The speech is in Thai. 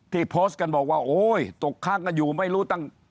โพสต์กันบอกว่าโอ้ยตกค้างกันอยู่ไม่รู้ตั้ง